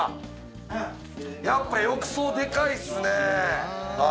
やっぱ浴槽でかいっすね。